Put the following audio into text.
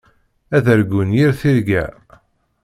Ad argun yir tirga.